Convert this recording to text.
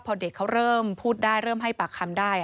พอเด็กเขาเริ่มพูดได้เริ่มให้ปากคำได้